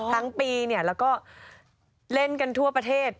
ทั้งปีแล้วก็เล่นกันทั่วประเทศ